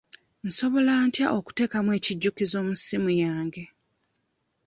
Nsobola ntya okuteekamu ekijjukizo mu ssimu yange?